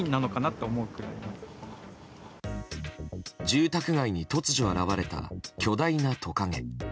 住宅街に突如現れた巨大なトカゲ。